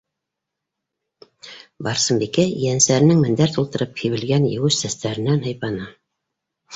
- Барсынбикә ейәнсәренең мендәр тултырып һибелгән еүеш сәстәренән һыйпаны.